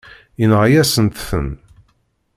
Yenɣa-yasent-ten.